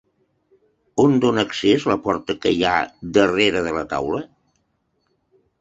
On dona accés la porta que hi ha darrere de la taula?